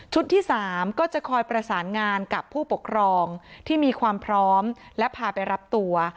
ที่๓ก็จะคอยประสานงานกับผู้ปกครองที่มีความพร้อมและพาไปรับตัว